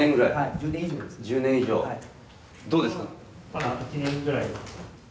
まだ１年ぐらいです。